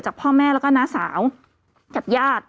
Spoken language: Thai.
พ่อแม่แล้วก็น้าสาวกับญาติ